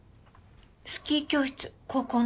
スキー教室高校の。